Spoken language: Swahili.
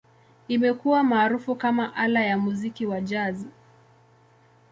Imekuwa maarufu kama ala ya muziki wa Jazz.